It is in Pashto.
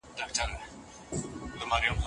مغولو به خپل ژوند ته بدلون ورکړی وي.